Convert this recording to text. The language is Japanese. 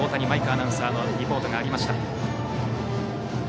アナウンサーのリポートがありました。